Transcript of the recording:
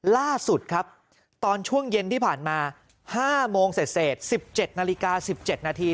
ล่าสุดครับตอนช่วงเย็นที่ผ่านมา๕โมงเศษ๑๗นาฬิกา๑๗นาที